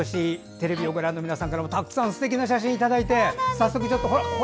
テレビをご覧の皆さんからもたくさんすてきな写真いただいて。